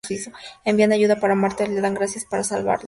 Envían ayuda para Martha y le dan las gracias por haberlos salvado.